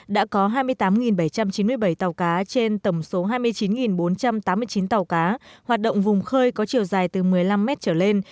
đã có hai mươi tám bảy trăm chín mươi bảy tàu cá trên tầm số hai mươi chín bốn trăm tám mươi chín tàu cá hoạt động vùng khơi có chiều dài từ một mươi năm mét trở lên